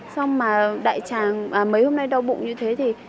xong mà đại tràng mấy hôm nay đau bụng như thế thì